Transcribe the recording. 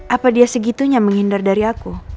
apa dia segitunya menghindar dari aku